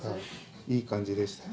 いい感じでしたよ。